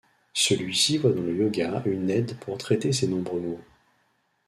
Celui-ci voit dans le yoga une aide pour traiter ses nombreux maux.